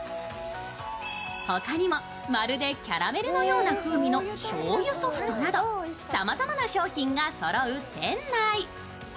ほかにも、まるでキャラメルのような風味の醤油ソフトなど、さまざまな商品がそろう店内。